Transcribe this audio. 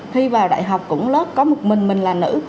khi vào đại học cũng lớp có một mình mình là nữ